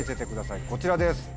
こちらです。